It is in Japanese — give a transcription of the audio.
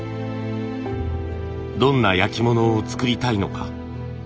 どんな焼き物を作りたいのか？